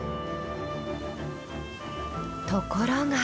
ところが。